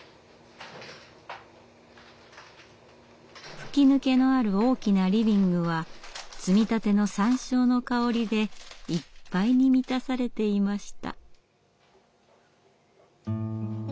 吹き抜けのある大きなリビングは摘みたてのサンショウの香りでいっぱいに満たされていました。